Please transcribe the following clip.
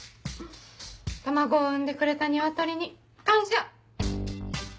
卵を産んでくれたニワトリに感謝。